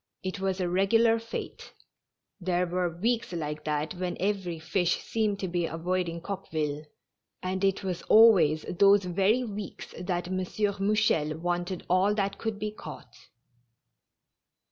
It was a regu lar fate; there were weeks like that when every fish seemed to be avoiding Coqueville, and it was always those very weeks that M. Mouchel wanted all that could be caught.